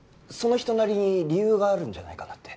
その人なりに理由があるんじゃないかな？